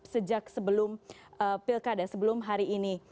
sejak sebelum pilkada sebelum hari ini